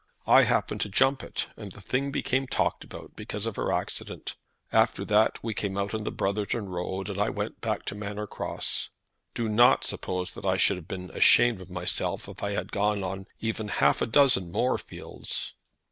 I happened to jump it, and the thing became talked about because of her accident. After that we came out on the Brotherton road, and I went back to Manor Cross. Do not suppose that I should have been ashamed of myself if I had gone on even half a dozen more fields."